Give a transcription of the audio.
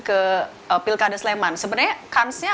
ke pilkada sleman sebenarnya kansnya